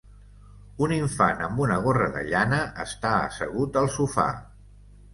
Un infant amb una gorra de llana està assegut al sofà.